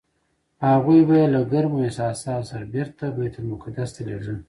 هغوی به یې له ګرمو احساساتو سره بېرته بیت المقدس ته لېږل.